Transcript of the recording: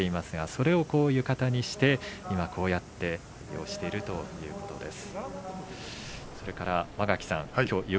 それを浴衣にして今こうやって着ているということです。